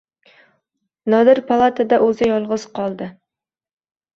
Nodir palatada o‘zi yolg‘iz qoldi.